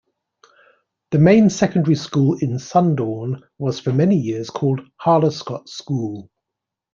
The main secondary school in Sundorne was for many years called "Harlescott" school.